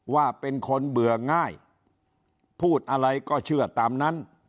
ว่าเป็นคนเบื่อง่ายพูดอะไรก็เชื่อตามนั้น